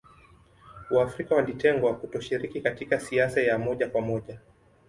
Waafrika walitengwa kutoshiriki katika siasa ya moja kwa moja